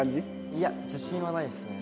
いや自信はないですね